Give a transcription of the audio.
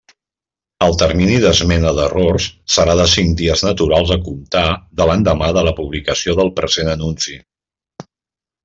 El termini d'esmena d'errors serà de cinc dies naturals a comptar de l'endemà de la publicació del present anunci.